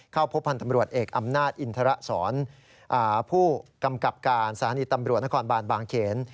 เข้าพบพันธ์ตำรวจเอกอำนาจอินทรศรผู้กำกับการสถานีตำรวจนครบานบางเขน